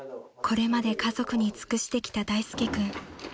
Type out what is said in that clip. ［これまで家族に尽くしてきた大介君］